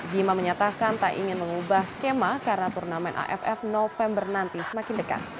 bima menyatakan tak ingin mengubah skema karena turnamen aff november nanti semakin dekat